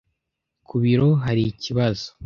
Ku biro hari ikibazo.